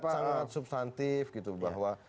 sangat substantif bahwa